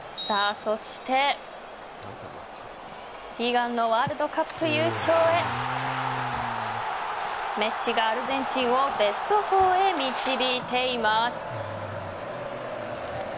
そして悲願のワールドカップ優勝へメッシがアルゼンチンをベスト４へ導いています。